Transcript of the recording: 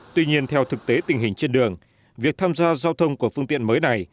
tuy nhiên theo thực tế tình hình trên đường việc tham gia giao thông của phương tiện mới này